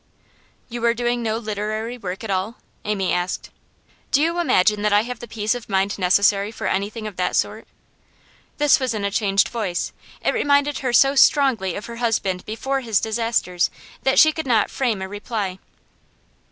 'You are doing no literary work at all?' Amy asked. 'Do you imagine that I have the peace of mind necessary for anything of that sort?' This was in a changed voice. It reminded her so strongly of her husband before his disasters that she could not frame a reply.